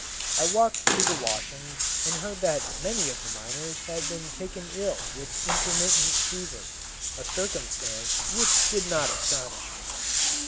I walked through the washings, and heard that many of the miners had been taken ill with intermittent fever, a circumstance which did not astonish me.